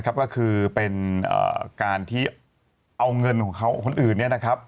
ก็คือเป็นการที่เอาเงินของเขาคนอื่นนี้นะครับ